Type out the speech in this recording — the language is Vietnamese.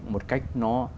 một cách nó